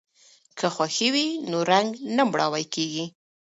که خوښي وي نو رنګ نه مړاوی کیږي.